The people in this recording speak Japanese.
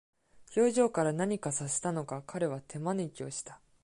表情から何か察したのか、彼は手招きをした。